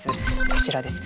こちらです。